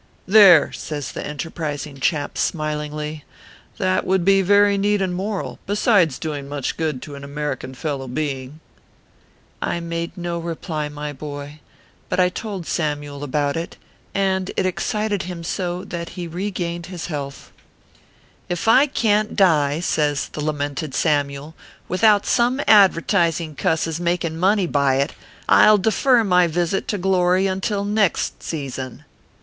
"There!" says the enterprising chap, smilingly, " that would be very neat and moral, besides doing much good to an American fellow being." I made no reply, my boy ; but I told Samyule about it, and it excited him so that he regained his health. 382 ORPHEUS C. KERR PAPERS. "If I can t die/ says the lamented Samyule, " without some advertising cuss s making money by it, I ll defer my visit to glory until next season."